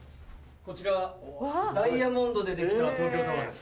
こちらダイヤモンドで出来た東京タワーです。